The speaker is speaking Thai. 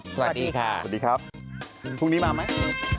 สวัสดีค่ะสวัสดีครับพรุ่งนี้มาไหม